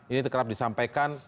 ini kerap disampaikan